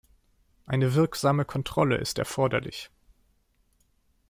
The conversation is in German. Eine wirksame Kontrolle ist erforderlich.